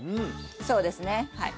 そうですねはい。